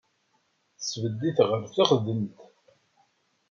Tesbedd-it ɣer teɣdemt.